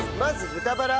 豚バラ。